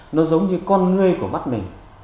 nó giống như con người của mắt mình